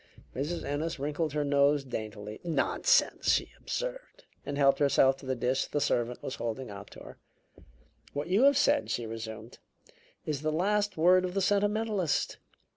Mrs. Ennis wrinkled her nose daintily. "Nonsense!" she observed, and helped herself to the dish the servant was holding out to her. "What you have said," she resumed, "is the last word of the sentimentalist.